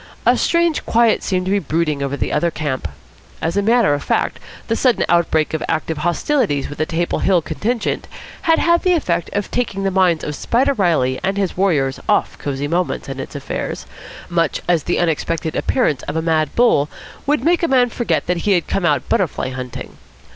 A strange quiet seemed to be brooding over the other camp. As a matter of fact, the sudden outbreak of active hostilities with the Table Hill contingent had had the effect of taking the minds of Spider Reilly and his warriors off Cosy Moments and its affairs, much as the unexpected appearance of a mad bull would make a man forget that he had come out butterfly hunting.